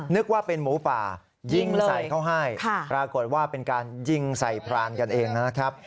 นึกว่าเป็นหมูป่ายิงใส่เขาให้ปรากฏว่าเป็นการยิงใส่พรานกันเองนะครับ